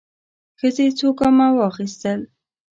ښځې څو ګامه واخيستل.